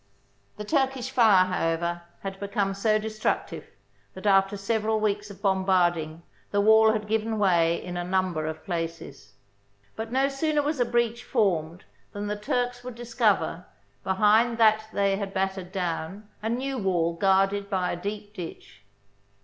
The Turkish fire, however, had become so destruc tive that after several weeks of bombarding the wall had given way in a number of places. But no sooner was a breach formed than the Turks would dis cover, behind that they had battered down, a new wall guarded by a deep ditch.